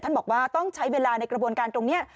บอกว่าต้องใช้เวลาในกระบวนการตรงนี้